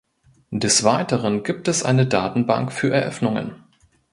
Des Weiteren gibt es eine Datenbank für Eröffnungen.